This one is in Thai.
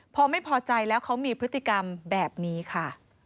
พอไม่พอใจแล้วเขามีพฤติกรรมแบบนี้ค่ะ